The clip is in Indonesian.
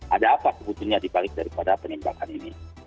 ada apa sebetulnya dibalik daripada penembakan ini